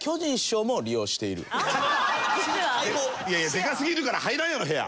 でかすぎるから入らんやろ部屋！